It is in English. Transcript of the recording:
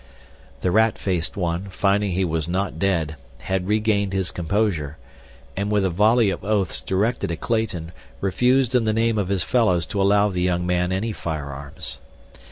The rat faced one, finding he was not dead, had regained his composure, and with a volley of oaths directed at Clayton refused in the name of his fellows to allow the young man any firearms.